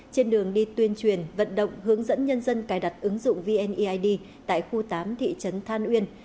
trên đường đi tuyên truyền vận động hướng dẫn nhân dân cài đặt ứng dụng vneid tại khu tám thị trấn than uyên